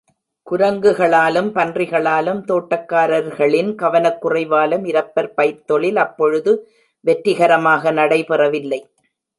குரங்குகளாலும், பன்றிகளாலும் தோட்டக்காரர்களின் கவனக் குறைவாலும் இரப்பர் பயிர்த்தொழில் அப்பொழுது வெற்றிகரமாக நடைபெறவில்லை.